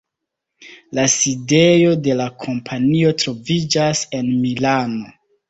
La sidejo de la kompanio troviĝas en Milano.